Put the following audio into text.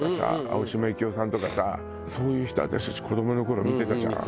青島幸男さんとかさそういう人私たち子どもの頃見てたじゃん。